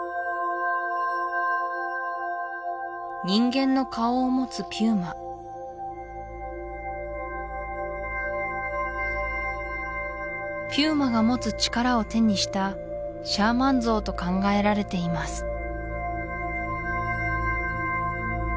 人間の顔を持つピューマピューマが持つ力を手にしたシャーマン像と考えられています